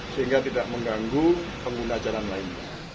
sehingga tidak mengganggu pengguna jalan lain